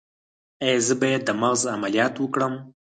ایا زه باید د مغز عملیات وکړم؟